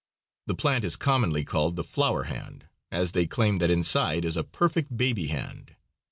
The plant is commonly called the "flower hand," as they claim that inside is a perfect baby hand.